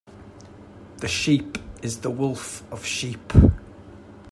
The sheep is the wolf of sheep.